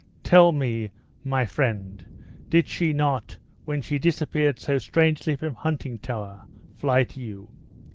Tell me, try friend, did she not, when she disappeared so strangely from Huntingtower, fly to you?